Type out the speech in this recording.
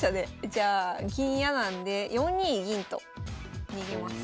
じゃあ銀嫌なんで４二銀と逃げます。